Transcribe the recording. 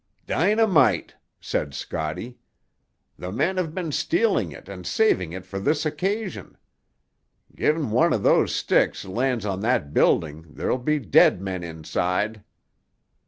"Dynamite," said Scotty. "The men have been stealing it and saving it for this occasion. Gi'n one of those sticks lands on that building there'll be dead men inside."